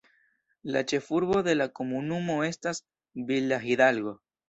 La ĉefurbo de la komunumo estas Villa Hidalgo.